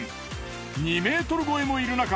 ２ｍ超えもいるなか